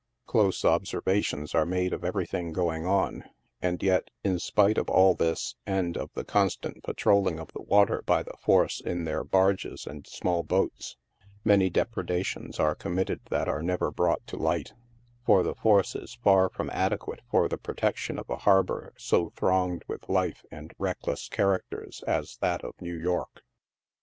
Close observations are made of everything going on, and yet, in spite of all this, and of the constant patrolling of the water by the force in their barges and small boats, many depredations are committed that are never brought to light ; for the force is far from adequate for the protection of a harbor so thronged with life and reckless characters as that of New York.